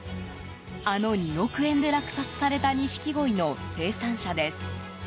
あの２億円で落札された錦鯉の生産者です。